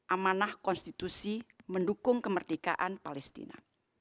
amanah konstitusi mendukung kemerdekaan palestina